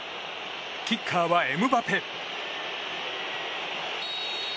キッカーはエムバペ。